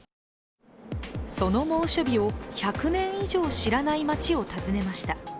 その猛暑日を１００年以上知らない街を訪ねました。